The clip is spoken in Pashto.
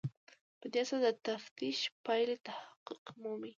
په دې اساس د تفتیش پایلې تحقق مومي.